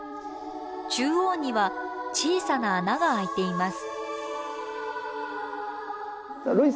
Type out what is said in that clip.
中央には小さな穴があいています。